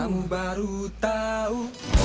kamu baru tahu